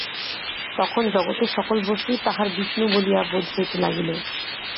তখন জগতের সকল বস্তুই তাঁহার বিষ্ণু বলিয়া বোধ হইতে লাগিল।